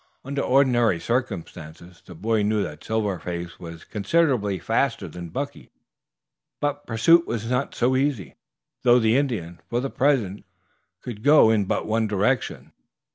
Under ordinary circumstances the boy knew that Silver Face was considerably faster than Buckey. But pursuit was not so easy, though the Indian, for the present, could go in but one direction.